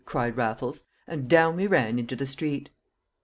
cried Raffles. And down we ran into the street.